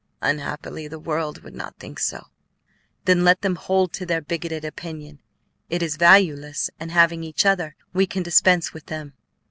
"Unhappily the world would not think so." "Then let them hold to their bigoted opinion; it is valueless, and having each other, we can dispense with them."